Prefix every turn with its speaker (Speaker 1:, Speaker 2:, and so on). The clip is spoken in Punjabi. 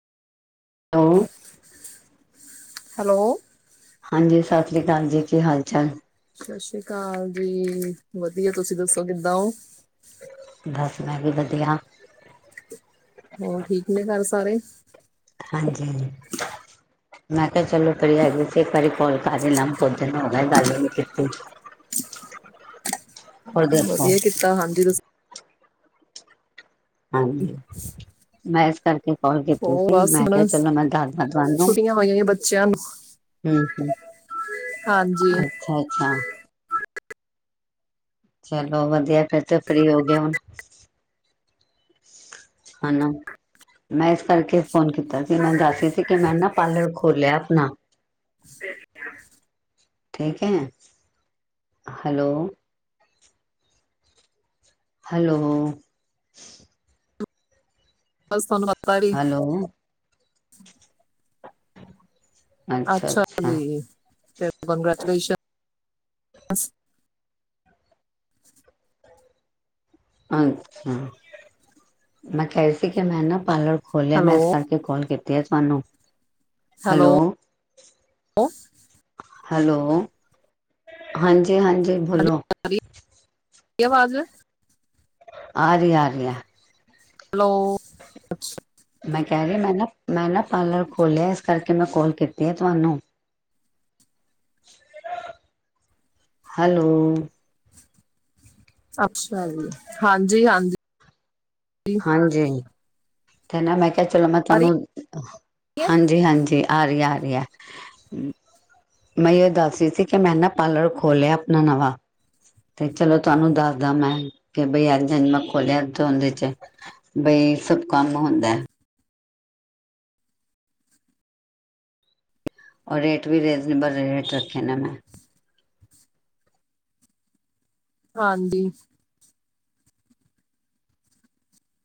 Speaker 1: [inaudible]
Speaker 2: ਹੈਲੋ
Speaker 1: ਹਾਂਜੀ ਸ ਸ਼੍ਰੀ ਕਾਲ ਜੀ ਕੀ ਹਾਲ-ਚਾਲ?
Speaker 2: ਸ ਸ਼੍ਰੀ ਕਾਲ ਜੀ ਵਧੀਆ ਤੁਸੀਂ ਦੱਸੋ ਕਿੱਦਾਂ ਓ?
Speaker 1: ਬਸ ਮੈਂ ਵੀ ਵਧੀਆ।
Speaker 2: ਹੋਰ ਠੀਕ ਨੇ ਘਰ ਸਾਰੇ?
Speaker 1: ਹਾਂਜੀ। ਮੈਂ ਕਿਹਾ ਚਲੋ ਕੜੀ ਹੈਗੀ ਸੀ ਇੱਕ ਵਾਰੀ ਕੌਲ ਕਰ ਲਾ ਬੋ ਦਿਨ ਹੋਗੇ ਗੱਲ ਈ ਨੀ ਕੀਤੀ। [inaudible] ਦੱਸੋ
Speaker 2: ਵਧੀਆ ਕੀਤਾ ਹਾਂਜੀ ਤੁਸੀਂ।
Speaker 1: ਹਾਂਜੀ ਮੈਂ ਇਸ ਕਰ ਕੀ ਕਾਲ ਕੀਤੀ
Speaker 2: ਹੋਰ
Speaker 1: ਸੀ
Speaker 2: ਬਸ
Speaker 1: ਮੈਂ ਕਿਹਾ
Speaker 2: ਹੁਣ
Speaker 1: ਚਲੋ ਮੈਂ ਦੱਸਦਾ ਤੁਹਾਨੂੰ।
Speaker 2: ਛੁੱਟੀਆਂ ਹੋਈਆਂ ਬੱਚਿਆਂ ਨੂੰ
Speaker 1: ਹੂੰ-ਹੂੰ।
Speaker 2: ਹਾਂਜੀ।
Speaker 1: ਅੱਛਾ! ਚਲੋ ਵਧੀਆ ਫਿਰ 'ਤੇ ਫਰੀ ਹੋਗੇ ਹੁਣ। ਹੁਣ, ਮੈਂ ਇਸ ਕਰਕੇ ਫੋਨ ਕੀਤਾ ਸੀ ਮੈਂ ਦੱਸ ਰੀ ਸੀ ਕਿ ਮੈਂ ਨਾ ਪਾਰਲਰ ਖੋਲਿਆ ਆਪਣਾ।
Speaker 2: [inaudible]
Speaker 1: ਠੀਕ ਐ, ਹੈਲੋ ਹੈਲੋ
Speaker 2: ਬਸ ਧੰਨਵਾਦ
Speaker 1: ਹੈਲੋ,
Speaker 2: ਅੱਛਾ
Speaker 1: ਅੱਛਾ-ਅੱਛਾ।
Speaker 2: ਜੀ ਕੰਗ੍ਰੈਚੁਲੇਸ਼ਨ।
Speaker 1: ਅੱਛਾ, ਮੈਂ ਕਹਿ ਰੀਣ ਸੀ ਕਿ ਮੈਂ ਨਾ ਪਾਰਲਰ ਖੋਲਿਆ ਮੈਂ
Speaker 2: ਹੈਲੋ
Speaker 1: ਸ ਕੇ ਕਾਲ ਕੀਤੀ ਆ ਤੁਹਾਨੂੰ, ਹੈਲੋ ਹੈਲੋ, ਹਾਂਜੀ-ਹਾਂਜੀ ਬੋਲੋ।
Speaker 2: ਏ ਅਵਾਜ਼
Speaker 1: ਆਰੀ ਆ ਰੀਆ।
Speaker 2: ਹੈਲੋ
Speaker 1: ਮੈਂ ਕੈ ਰੀ ਆ ਮੈਂ ਨਾ ਮੈਂ ਨਾ ਪਾਰਲਰ ਖੋਲਿਆ ਇਸ ਕਰਕੇ ਮੈਂ ਕੌਲ ਕੀਤੀ ਆ ਤੁਹਾਨੂੰ। ਹੈਲੋ
Speaker 2: ਅੱਛਾ ਜੀ ਹਾਂਜੀ-ਹਾਂਜੀ।
Speaker 1: ਹਾਂਜੀ 'ਤੇ ਨਾ ਮੈਂ ਕਿਆ ਚਲੋ ਮੈਂ
Speaker 2: ਆ ਰਹੀ
Speaker 1: ਤੁਹਾਨੂੰ,
Speaker 2: ਹੈ?
Speaker 1: ਹਾਂਜੀ-ਹਾਂਜੀ। ਆਰੀ-ਆਰੀ ਐ। ਮੈਂ ਏਇਓ ਦੱਸ ਰੀ ਸੀ ਕਿ ਮੈਂ ਨਾ ਪਾਰਲਰ ਖੋਲਿਆ, ਆਪਣਾ ਨਵਾਂ। ਤੇ ਚਲੋ, ਤੁਆਨੂੰ ਦੱਸਦਾ ਮੈਂ ਕਿ ਬਈ ਐਂਜ-ਐਂਜ ਮੈਂ ਖੋਲਿਆ ਓਨਦੇ ਚ। ਬਈ, ਸਭ ਕੰਮ ਹੁੰਦਾ। ਔਰ ਰੇਟ ਵੀ ਰੀਜ਼ਨੇਬਲ ਰੇਟ ਰੱਖੇ ਨੇ ਮੈਂ।
Speaker 2: ਹਾਂਜੀ।